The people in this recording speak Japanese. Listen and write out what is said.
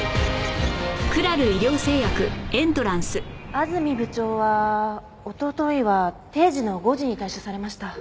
安住部長はおとといは定時の５時に退社されました。